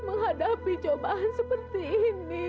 menghadapi cobaan seperti ini